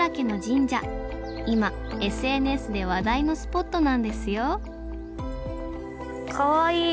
今ＳＮＳで話題のスポットなんですよかわいい！